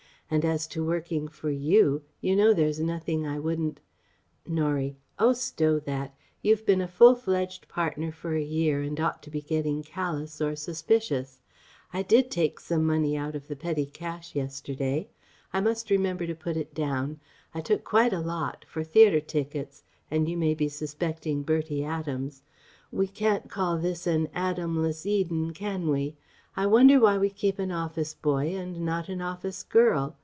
And as to working for you, you know there's nothing I wouldn't..." Norie: "Oh stow that!... You've been a full fledged partner for a year and ought to be getting callous or suspicious ... I did take some money out of the petty cash yesterday. I must remember to put it down. I took quite a lot ... for theatre tickets ... and you may be suspecting Bertie Adams ... we can't call this an Adamless Eden, can we? I wonder why we keep an office boy and not an office girl?